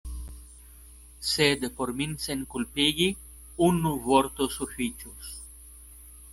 Sed por min senkulpigi unu vorto sufiĉos.